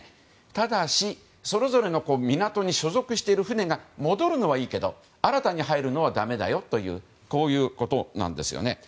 ただし、それぞれの港に所属している船が戻るのはいいけど新たに入るのはだめだよということなんですね。